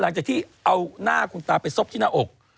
หลังจากที่เอาหน้าคุณตาไปซบที่หน้าอก